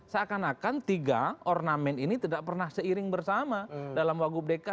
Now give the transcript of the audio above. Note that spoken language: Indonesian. seakan akan tiga ornamen ini tidak pernah seiring bersama dalam wagub dki